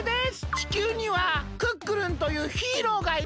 地球にはクックルンというヒーローがいます。